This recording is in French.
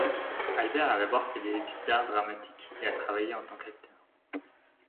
Albers a d'abord fait des études d'art dramatique et a travaillé en tant qu'acteur.